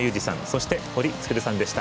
そして、堀創さんでした。